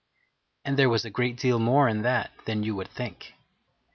And there was a great deal more in that than you would think.